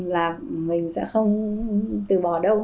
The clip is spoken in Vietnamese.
là mình sẽ không từ bỏ đâu